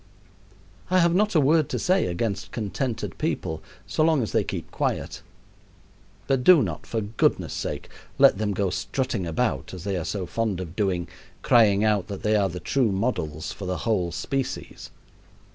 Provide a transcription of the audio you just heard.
I have not a word to say against contented people so long as they keep quiet. But do not, for goodness' sake, let them go strutting about, as they are so fond of doing, crying out that they are the true models for the whole species.